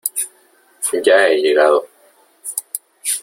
ya he llegado .